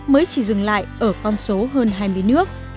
mới chỉ dừng lại ở con số hơn hai mươi nước